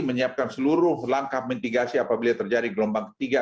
menyiapkan seluruh langkah mitigasi apabila terjadi gelombang ketiga